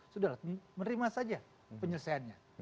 sudahlah menerima saja penyelesaiannya